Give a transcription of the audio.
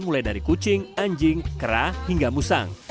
mulai dari kucing anjing kera hingga musang